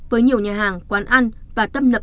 với nhiều nhà hàng quán ăn và tấp nập